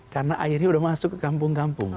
karena airnya sudah masuk ke kampung kampung